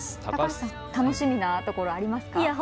高橋さん、楽しみなところありますか？